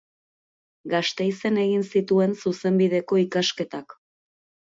Gasteizen egin zituen zuzenbideko ikasketak.